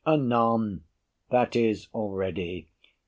BURR Anon that is, already.